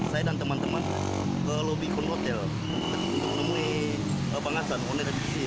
saya dan teman teman ke lobby hotel untuk menemui bang hasan